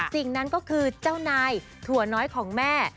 สิ่งนั้นก็คือเจ้านายถั่วน้อยของแม่